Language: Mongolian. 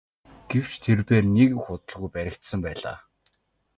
Гэвч тэрбээр нэг их удалгүй баригдсан байлаа.